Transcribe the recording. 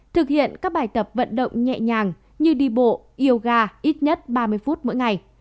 thực hiện các bài tập vận động nhẹ nhàng như đi bộ yoga ít nhất ba mươi phút mỗi ngày